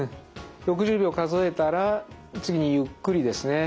６０秒数えたら次にゆっくりですね